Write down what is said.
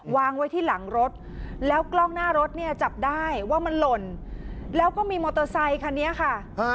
วางไว้ที่หลังรถแล้วกล้องหน้ารถเนี่ยจับได้ว่ามันหล่นแล้วก็มีมอเตอร์ไซคันนี้ค่ะ